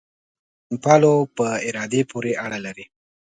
د سمونپالو په ارادې پورې اړه لري.